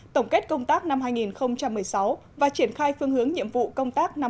tổng kết công tác năm hai nghìn một mươi sáu và triển khai phương hướng nhiệm vụ công tác năm hai nghìn hai mươi